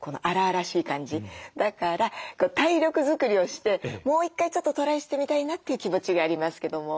だから体力作りをしてもう一回ちょっとトライしてみたいなという気持ちがありますけども。